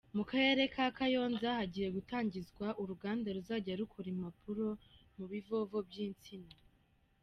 Mu karere ka Kayonza hagiye gutangizwa uruganda ruzajya rukora impapuro mu bivovo by’insina.